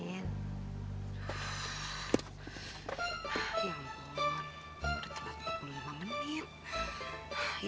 ya ampun udah telat empat puluh lima menit